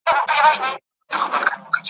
چي له مُغانه مي وروستی جام لا منلی نه دی `